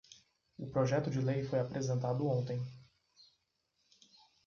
O projeto de lei foi apresentado ontem